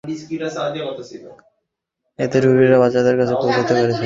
এতে ডুবুরিরা বাচ্চাদের কাছে পৌঁছাতে পারছে।